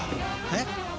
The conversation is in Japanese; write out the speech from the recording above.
えっ？